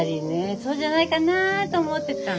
そうじゃないかなと思ってたの。